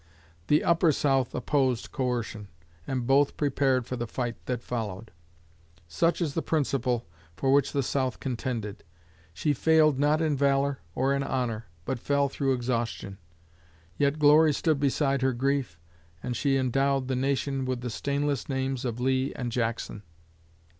The Upper South opposed coercion; and both prepared for the fight that followed. Such is the principle for which the South contended. She failed not in valor or in honor, but fell through exhaustion; yet glory stood beside her grief, and she endowed the Nation with the stainless names of Lee and Jackson.